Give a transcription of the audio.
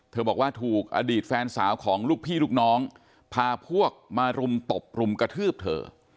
บอกว่าถูกอดีตแฟนสาวของลูกพี่ลูกน้องพาพวกมารุมตบรุมกระทืบเธอ